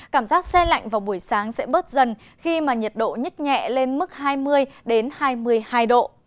cảm giác xe lạnh vào buổi sáng sẽ bớt dần khi mà nhiệt độ nhích nhẹ lên mức hai mươi hai mươi hai độ